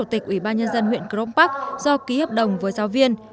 chủ tịch ủy ban nhân dân huyện crong park do ký hợp đồng với giáo viên